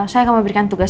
saya akan memberikan tugas